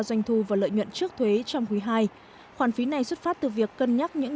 doanh thu và lợi nhuận trước thuế trong quý ii khoản phí này xuất phát từ việc cân nhắc những